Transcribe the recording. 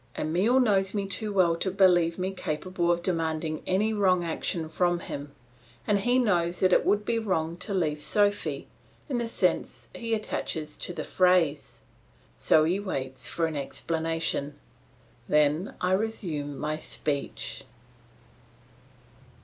Emile knows me too well to believe me capable of demanding any wrong action from him, and he knows that it would be wrong to leave Sophy, in the sense he attaches to the phrase. So he waits for an explanation. Then I resume my speech.